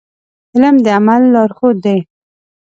علم د عمل لارښود دی.